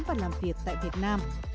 và làm việc tại việt nam